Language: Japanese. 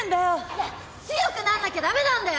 いや強くなんなきゃ駄目なんだよ！